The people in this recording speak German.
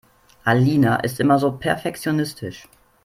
Alina ist immer so perfektionistisch.